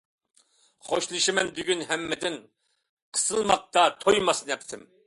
خوشلىشىمەن بۈگۈن ھەممىدىن، قىسىلماقتا تويماس نەپىسىم.